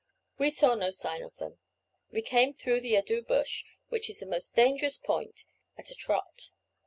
"We saw no sign of them. We came through the Addoo Bush, which is the most dangerous point, at a trot.